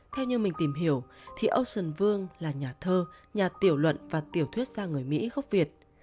theo như mình tìm hiểu thì ocean vương là nhà thơ nhà tiểu luận và tiểu thuyết gia người mỹ gốc việt